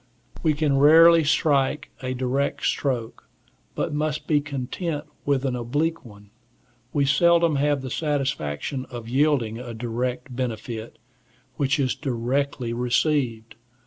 We can rarely strike a direct stroke, but must be content with an oblique one; we seldom have the satisfaction of yielding a direct benefit, which is directly received.